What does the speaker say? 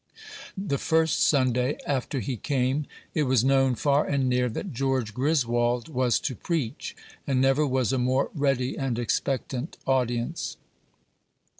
The first Sunday after he came, it was known far and near that George Griswold was to preach; and never was a more ready and expectant audience.